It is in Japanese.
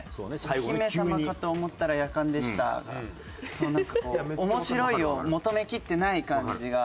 「お姫様かと思ったらやかんでした」がなんかこう面白いを求めきってない感じが。